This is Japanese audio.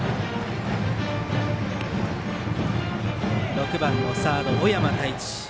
６番のサード尾山太一。